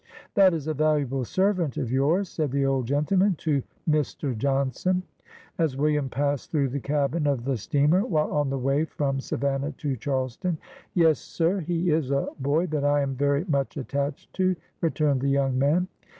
" That is a valuable servant of yours," said the old gentleman to Mr. Johnson^ as William passed through the cabin of the steamer, while on the way from Savannah to Charleston. " Yes, sir, he is a boy that I am very much attached to," returned the young man.